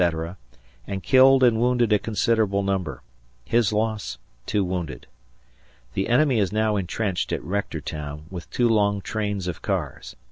and killed and wounded a considerable number. His loss, two wounded. The enemy is now entrenched at Rectortown, with two long trains of cars.